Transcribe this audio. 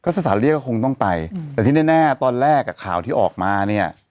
สถานเรียกก็คงต้องไปแต่ที่แน่ตอนแรกอ่ะข่าวที่ออกมาเนี่ย